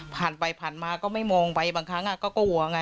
ผ่านไปผ่านมาก็ไม่มองไปบางครั้งก็หัวไง